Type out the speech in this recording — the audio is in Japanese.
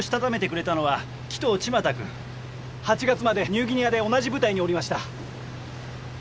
８月までニューギニアで同じ部隊におりました。